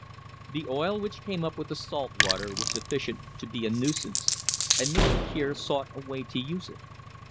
The oil which came up with the salt water was sufficient to be a nuisance, and Mr. Kier sought a way to use it.